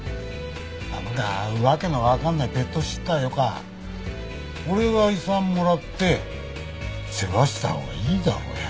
なんかわけのわかんないペットシッターよか俺が遺産もらって世話したほうがいいだろうよ。